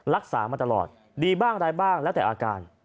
รักษามาตลอดดีบ้างอะไรบ้างแล้วแต่อาการ